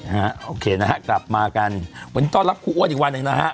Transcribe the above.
โอเคนะฮะกลับมากันวันนี้ต้อนรับครูอ้วนอีกวันหนึ่งนะฮะ